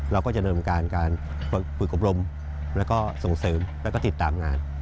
เราก็จะเริ่มการการฝึกอบรมแล้วก็ส่งเสริมแล้วก็ติดตามงาน